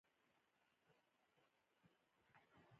نو ته وا له دې بل لوړ دیني او د ثواب علم شته؟